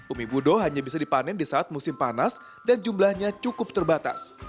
umi budo hanya bisa dipanen di saat musim panas dan jumlahnya cukup terbatas